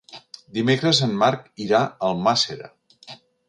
Dimecres en Marc irà a Almàssera.